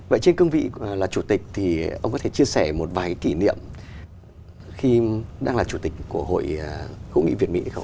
vậy trên cương vị là chủ tịch thì ông có thể chia sẻ một vài kỷ niệm khi đang là chủ tịch của hội hữu nghị việt mỹ không